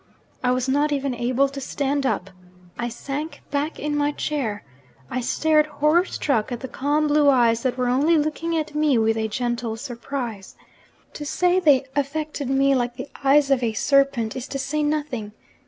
I was not even able to stand up I sank back in my chair; I stared horror struck at the calm blue eyes that were only looking at me with a gentle surprise. To say they affected me like the eyes of a serpent is to say nothing.